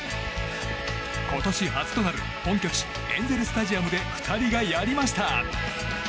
今年初となる本拠地エンゼル・スタジアムで２人がやりました。